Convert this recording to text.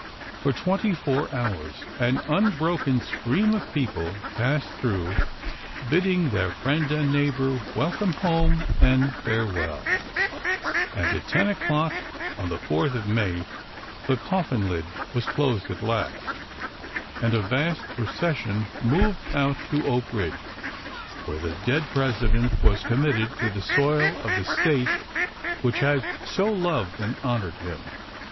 For twenty four hours an unbroken stream of people passed through, bidding their friend and neighbor welcome home and farewell, and at ten o'clock on the 4th of May the coffin lid was closed at last and a vast procession moved out to Oak Eidge, where the dead President was com mitted to the soil of the State which had so loved and honored him.